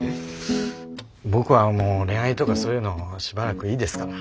僕はもう恋愛とかそういうのしばらくいいですから。